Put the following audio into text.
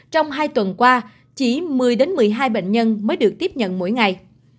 trong hai tuần qua chỉ một mươi một mươi hai bệnh nhân mới được tiếp nhận mỗi ngày